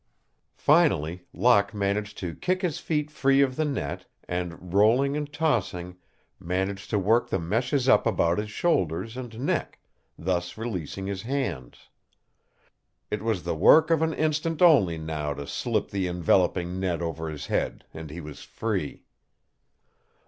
Finally Locke managed to kick his feet free of the net and, rolling and tossing, managed to work the meshes up about his shoulders and neck, thus releasing his hands. It was the work of an instant only, now, to slip the enveloping net over his head and he was free.